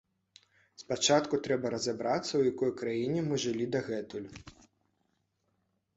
Спачатку трэба разабрацца, у якой краіне мы жылі дагэтуль.